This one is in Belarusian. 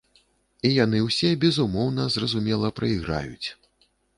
І яны ўсе безумоўна, зразумела, прайграюць.